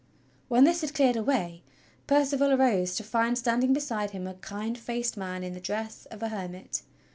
When this had cleared away Percival arose to find standing beside him a kind faced man in the dress of a hermit.